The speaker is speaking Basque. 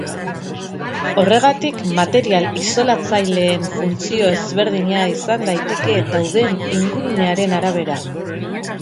Horregatik, material isolatzaileen funtzioa ezberdina izan daiteke dauden ingurunearen arabera.